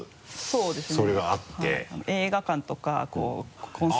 そうですね。